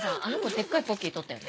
デッカいポッキー取ったよね。